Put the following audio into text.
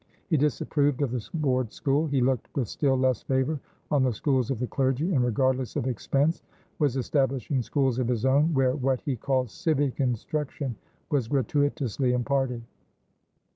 He disapproved of the board school; he looked with still less favour on the schools of the clergy; and, regardless of expense, was establishing schools of his own, where what he called "civic instruction" was gratuitously imparted.